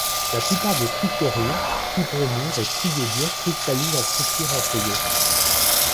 La plupart des trichlorures, tribromures et triiodures cristallisent en structure en feuillet.